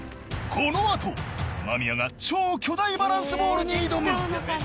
［この後間宮が超巨大バランスボールに挑む］